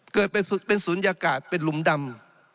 เกิดเป็นศูนย์อากาศเป็นหลุมดำ